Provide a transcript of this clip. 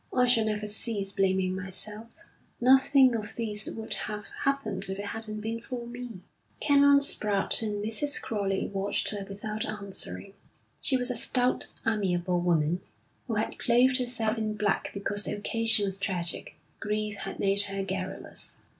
'I shall never cease blaming myself. Nothing of all this would have happened, if it hadn't been for me.' Canon Spratte and Mrs. Crowley watched her without answering. She was a stout, amiable woman, who had clothed herself in black because the occasion was tragic. Grief had made her garrulous.